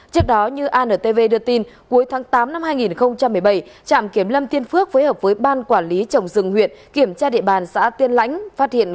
trước đó như antv đưa tin cuối tháng tám năm hai nghìn một mươi bảy trạm kiểm lâm tiên phước phối hợp với ban quản lý trồng rừng huyện